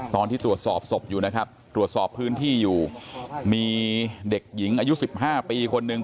ตอนที่ตรวจสอบศพอยู่นะครับตรวจสอบพื้นที่อยู่มีเด็กหญิงอายุ๑๕ปีคนหนึ่ง